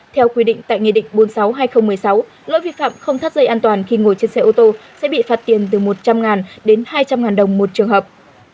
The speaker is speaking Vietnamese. theo quy định tại nghị định bốn mươi sáu hai nghìn một mươi sáu lỗi vi phạm không thắt dây an toàn khi ngồi trên xe ô tô sẽ bị phạt tiền từ một trăm linh đến hai trăm linh đồng một trường hợp